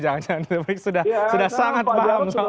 jangan jangan sudah sangat paham soalnya